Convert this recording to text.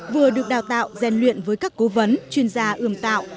vừa được đào tạo dàn luyện với các cố vấn chuyên gia ưm tạo